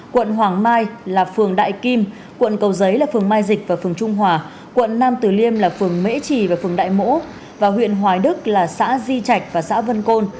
quận hoàng mai là phường đại kim quận cầu giấy là phường mai dịch và phường trung hòa quận nam tử liêm là phường mễ trì và phường đại mỗ và huyện hoài đức là xã di trạch và xã vân côn